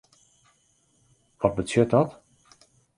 Wat betsjut dat?